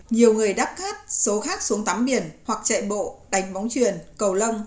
nhiều người đắp cát số khác xuống tắm biển hoặc chạy bộ đánh bóng truyền cầu lông